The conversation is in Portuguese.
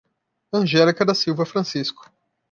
Angelica da Silva Francisco